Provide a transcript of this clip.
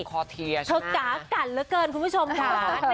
คอเทียใช่มั้ยค่ะอย่างนึกค่ะ